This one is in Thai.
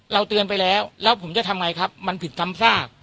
เตือนไปแล้วแล้วผมจะทำไงครับมันผิดซ้ำซาก